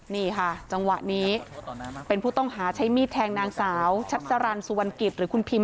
นี่ค่ะจังหวะนี้เป็นผู้ต้องหาใช้มีดแทงนางสาวชัดสรรสุวรรณกิจหรือคุณพิม